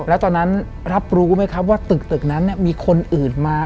แล้วตอนนั้นรับรู้ไหมครับว่าตึกนั้นมีคนอื่นมา